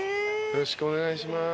よろしくお願いします。